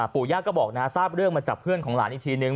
ปู่ย่าก็บอกนะทราบเรื่องมาจากเพื่อนของหลานอีกทีนึง